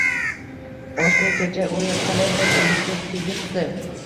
- Oshna, kecha o‘yin qale bo‘ldi? Yutuq kimga chiqdi?